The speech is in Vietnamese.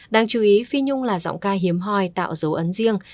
đáng chú ý phi nhung là giọng ca hiếm hoi tạo dấu ấn riêng